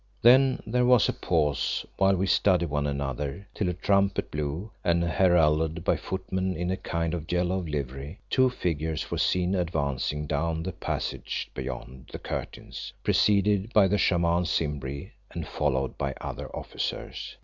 Then there was a pause while we studied one another, till a trumpet blew and heralded by footmen in a kind of yellow livery, two figures were seen advancing down the passage beyond the curtains, preceded by the Shaman Simbri and followed by other officers.